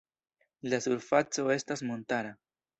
La surfaco estas montara.